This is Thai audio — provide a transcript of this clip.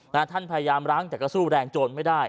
ท่านพยายามรั้งแต่ก็สู้แรงโจรไม่ได้